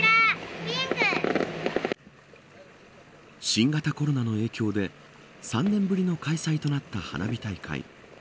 新型コロナの影響で３年ぶりの開催となった花火大会。